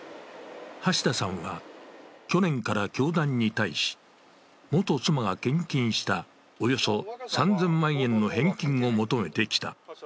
橋田さんは去年から教団に対し、元妻が献金したおよそ３０００万円の返金を求めてきた。